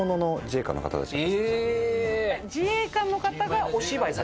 自衛官の方がお芝居されてる？